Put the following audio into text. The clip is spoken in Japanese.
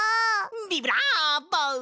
ビブラーボ！